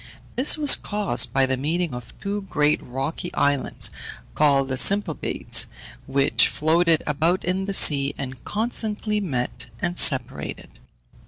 This was caused by the meeting of two great rocky islands, called the Symplegades, which floated about in the sea, and constantly met and separated.